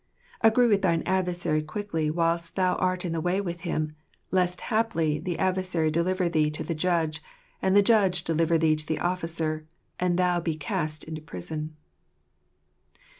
" Agree with thine adversary quickly, whilst thou art in the way with him ; lest haply the adver sary deliver thee to the judge, and the judge deliver thee to the officer, and thou be cast into prison."